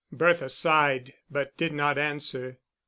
Bertha sighed, but did not answer.